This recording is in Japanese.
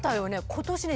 今年ね